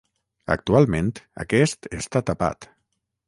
Actualment aquest està tapat.